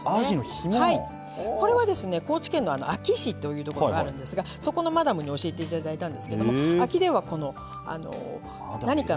高知県の安芸市という所があるんですがそこのマダムに教えていただいたんですけども安芸ではこの何かの。